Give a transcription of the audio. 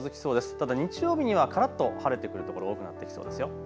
ただ日曜日にはからっと晴れてくる所多くなってきそうですよ。